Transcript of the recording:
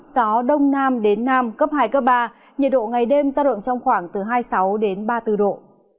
gió đông nam đến nam cấp hai cấp ba nhiệt độ ngày đêm ra động trong khoảng từ hai mươi sáu đến ba mươi bốn độ